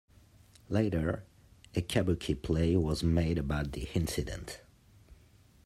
Later, a kabuki play was made about the incident.